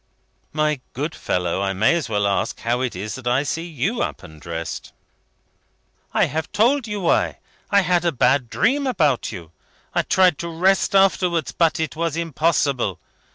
"My good fellow, I may as well ask you how it is that I see you up and undressed?" "I have told you why. I have had a bad dream about you. I tried to rest after it, but it was impossible.